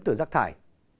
từ rác thải